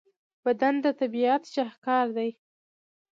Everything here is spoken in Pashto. بدن د طبیعت شاهکار دی.